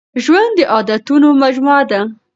ژوند د عادتونو مجموعه ده.